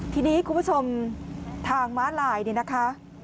ทีนี้คุณผู้ชมทางม้าลายเนี่ยนะคะ